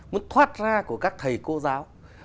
muốn thoát ra của các thầy cô giáo